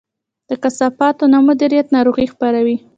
د کثافاتو نه مدیریت ناروغي خپروي.